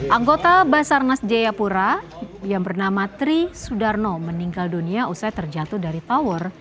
anggota basarnas jayapura yang bernama tri sudarno meninggal dunia usai terjatuh dari tower